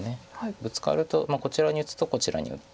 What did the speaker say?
ブツカるとこちらに打つとこちらに打って。